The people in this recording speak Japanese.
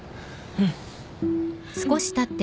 うん。